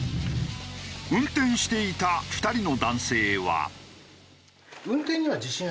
運転していた２人の男性は。